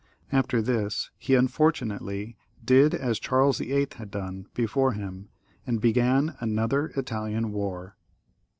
After this he unfortunately did as Charles VIII. had done before him, and began another Italian war.